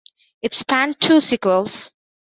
It spanned two sequels.